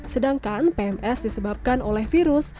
sedangkan pms disebabkan oleh virus